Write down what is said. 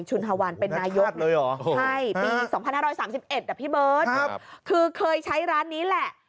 ชุนฮวานเป็นนายกใช่ปี๒๕๓๑นะพี่เบิร์ตคือเคยใช้ร้านนี้แหละ